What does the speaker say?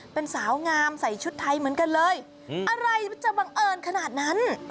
เป็นสาวงามใส่ชุดไทยเหมือนกันเลยอะไรมันจะบังเอิญขนาดนั้น